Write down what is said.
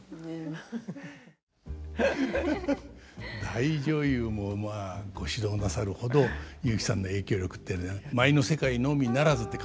大女優もまあご指導なさるほど雄輝さんの影響力って舞の世界のみならずって感じですけども。